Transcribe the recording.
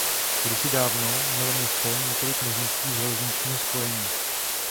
Kdysi dávno mělo město několik možností železničního spojení.